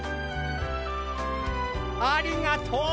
ありがとう！